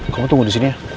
kamu tunggu disini ya